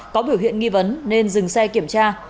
có biểu hiện nghi vấn nên dừng xe kiểm tra